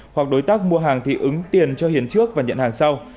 hoặc đối tác mua hàng thì ứng tiền cho hiền trước và nhận hàng sau